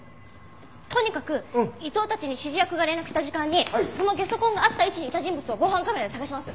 とにかく伊藤たちに指示役が連絡した時間にそのゲソ痕があった位置にいた人物を防犯カメラで捜します。